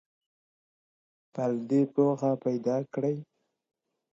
فرد پوهه پیدا کوي.